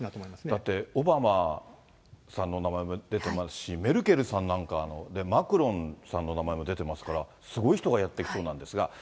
だってオバマさんの名前も出てますし、メルケルさんなんか、マクロンさんの名前も出てますから、すごい人がやって来そうなんですが。